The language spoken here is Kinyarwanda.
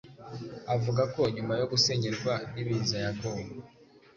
avuga ko nyuma yo gusenyerwa n’ibiza yagowe